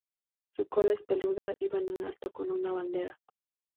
Su cola es peluda y va en alto como una bandera.